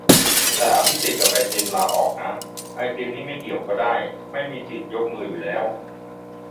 แต่อภิสิทธิ์กับไอติมลาออกนะ ไอติมนี่ไม่เกี่ยวก็ได้ ไม่มีสิทธิ์ยกมืออยู่แล้ว